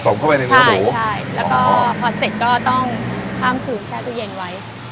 ผสมเข้าไปในเนื้อหมูใช่ใช่แล้วก็พอเสร็จก็ต้องข้างคืนแช่ตู้เย็นไว้